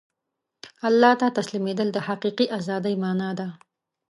الله ته تسلیمېدل د حقیقي ازادۍ مانا ده.